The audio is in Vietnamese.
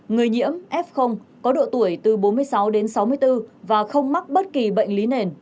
người nhiễm f có độ tuổi từ bốn mươi sáu đến sáu mươi bốn và không mắc bất kỳ bệnh lý nền